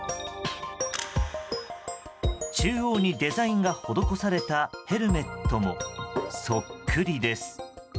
中央にデザインが施されたヘルメットもそっくりです。